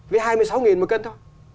với hai mươi sáu một cân thôi